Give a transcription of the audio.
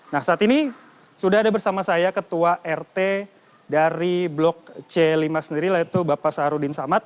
nah saat ini sudah ada bersama saya ketua rt dari blok c lima sendiri yaitu bapak saharudin samad